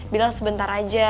bilang sebentar aja